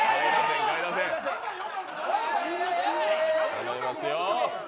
頼みますよ。